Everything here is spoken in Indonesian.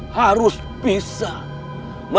harus pinterlingali di nuh poege